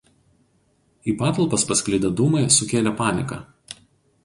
Į patalpas pasklidę dūmai sukėlė paniką.